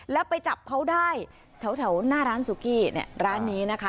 แล้วไปจับเขาได้แถวหน้าร้านซูกี้เนี่ยร้านนี้นะคะ